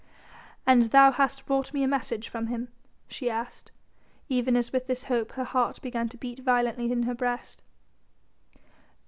"And thou hast brought me a message from him?" she asked, even as with this hope her heart began to beat violently in her breast.